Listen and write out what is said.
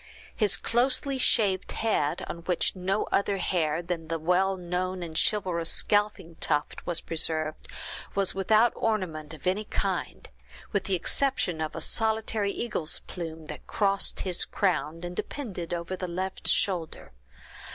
His closely shaved head, on which no other hair than the well known and chivalrous scalping tuft was preserved, was without ornament of any kind, with the exception of a solitary eagle's plume, that crossed his crown, and depended over the left shoulder.